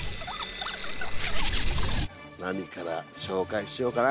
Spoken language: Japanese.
何から紹介しようかな。